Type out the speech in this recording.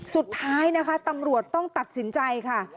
สุดท้ายนะคะตำรวจต้องตัดสินใจค่ะ